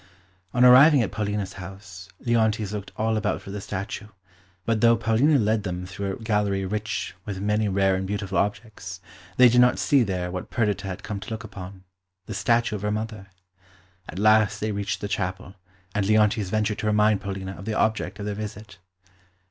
On arriving at Paulina's house, Leontes looked all about for the statue, but though Paulina led them through a gallery rich with many rare and beautiful objects, they did not see there what Perdita had come to look upon the statue of her mother. At last they reached the chapel, and Leontes ventured to remind Paulina of the object of their visit.